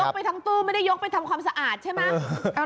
ไปทั้งตู้ไม่ได้ยกไปทำความสะอาดใช่ไหม